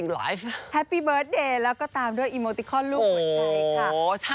แฮปปี้เบิร์ตเดย์แล้วก็ตามด้วยอีโมติคอนลูกหัวใจค่ะ